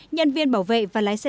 nhân viên bảo vệ và lái xe